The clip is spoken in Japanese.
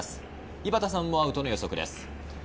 井端さんもアウトの予測です。